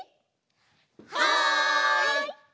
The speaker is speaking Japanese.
はい！